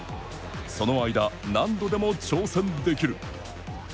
その間、何度でも挑戦できる。